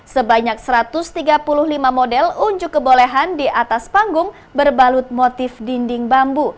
sebanyak satu ratus tiga puluh lima model unjuk kebolehan di atas panggung berbalut motif dinding bambu